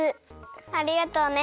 ありがとうね。